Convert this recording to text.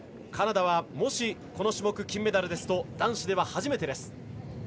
カナダはもしこの種目で金メダルですと男子では初めて。